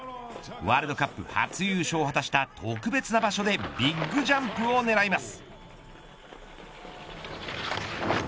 ワールドカップ初優勝を果たした特別な場所でビッグジャンプを狙います。